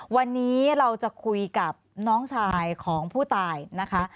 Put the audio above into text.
วันนี้เราจะคุยกับน้องชายของผู้ตายนะคะ